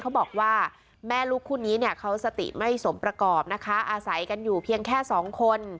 เขาบอกว่าแม่ลูกคู่นี้เนี่ยเขาสติไม่สมประกอบนะคะอาศัยกันอยู่เพียงแค่สองคน